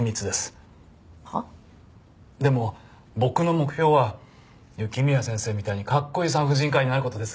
でも僕の目標は雪宮先生みたいなかっこいい産婦人科医になる事です。